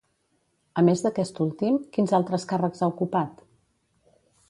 A més d'aquest últim, quins altres càrrecs ha ocupat?